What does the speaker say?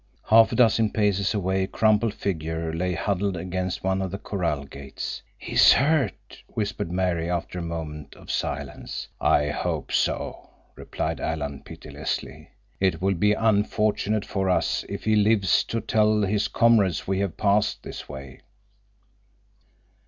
Half a dozen paces away a crumpled figure lay huddled against one of the corral gates. "He is hurt," whispered Mary, after a moment of silence. "I hope so," replied Alan pitilessly. "It will be unfortunate for us if he lives to tell his comrades we have passed this way."